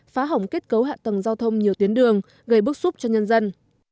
phá hỏng kết cấu hạ tầng giao thông nhiều tuyến đường gây bức xúc cho nhân dân